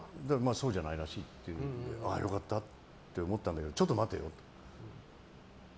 そうじゃないらしいということで良かったって思ったんだけどちょっと待てよと。